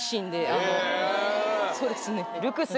そうですね。